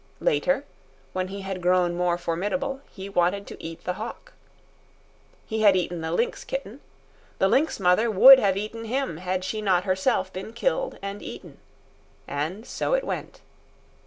Later, when he had grown more formidable, he wanted to eat the hawk. He had eaten the lynx kitten. The lynx mother would have eaten him had she not herself been killed and eaten. And so it went.